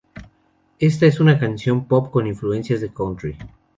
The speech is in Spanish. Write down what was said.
Esta es una canción pop con influencias de country.